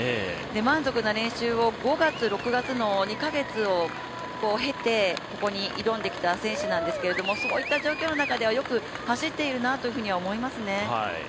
満足な練習を５月、６月の２カ月を経てここに挑んできた選手なんですけどそういった状況の中ではよく走っているなって思いますね。